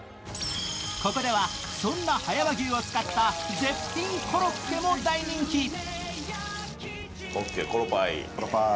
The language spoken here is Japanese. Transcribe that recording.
ここではそんな葉山牛を使った絶品コロッケも大人気。